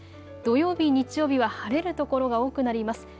土曜日、日曜日は晴れる所が多くなります。